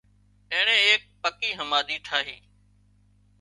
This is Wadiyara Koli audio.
اين ايڪ پڪي هماۮي ٺاهي